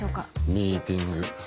ミーティング。